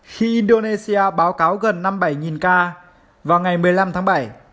khi indonesia báo cáo gần năm mươi bảy ca vào ngày một mươi năm tháng bảy